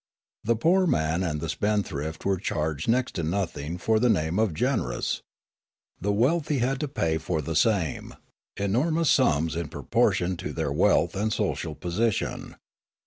The poor man and the spendthrift were charged next to nothing for the name of generous ; the wealthy had to pay for the same, enormous sums in proportion to their wealth and social position.